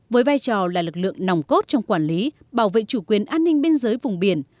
với vai trò là lực lượng nòng cốt trong quản lý bảo vệ chủ quyền an ninh biên giới vùng biển